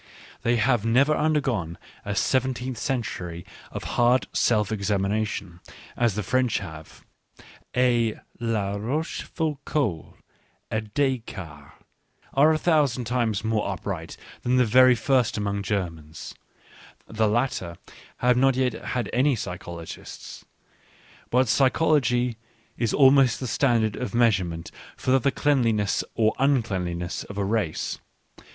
They have never undergone a seventeenth century of hard self examination, as the French have, — a La Roche foucauld, a Descartes, are a thousand times more upright than the very first among Germans, — the latter have not yet had any psychologists. But psychology is almost the standard of measurement for the cleanliness or uncleanliness of a race.